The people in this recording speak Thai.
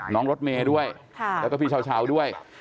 น้องรถเมด้วยแล้วก็พี่ชาวด้วย